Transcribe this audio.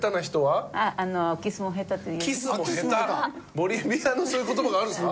ボリビアのそういう言葉があるんですか？